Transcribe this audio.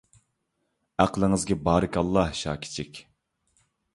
ھەقلىڭىزگە بارىكاللاھ شاكىچىك.